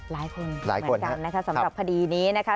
หลายคนเหมือนกันนะคะสำหรับคดีนี้นะคะ